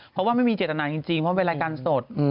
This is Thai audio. เพราะว่าไม่มีเจตนาจริงเพราะเป็นรายการสด